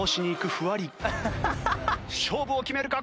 勝負を決めるか？